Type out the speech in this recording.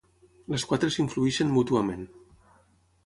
Les quatre s'influeixen mútuament.